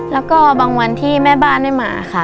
แล้วก็บางวันที่แม่บ้านได้มาค่ะ